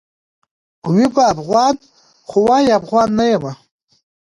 وي به افغان؛ خو وايي افغان نه یمه